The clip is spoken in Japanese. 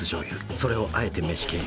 それをあえて飯経由。